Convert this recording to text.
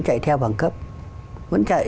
chạy theo bằng cấp vẫn chạy